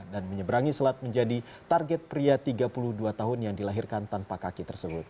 dan menyebrangi selat menjadi target pria tiga puluh dua tahun yang dilahirkan tanpa kaki tersebut